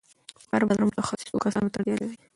د کار بازار متخصصو کسانو ته اړتیا لري.